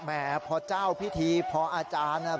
แหมพอเจ้าพิธีพออาจารย์น่ะ